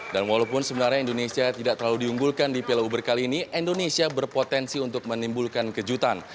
dan walaupun sebenarnya indonesia tidak terlalu diunggulkan di pela uber kali ini indonesia berpotensi untuk menimbulkan kejutan